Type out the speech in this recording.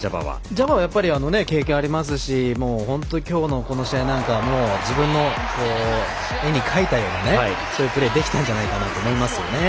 ジャバーは経験ありますし今日の試合なんかはもう、自分の絵に描いたようなそういうプレーできたんじゃないかと思います。